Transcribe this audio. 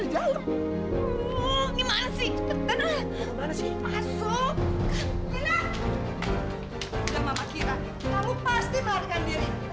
udah mama kira kamu pasti baharkan diri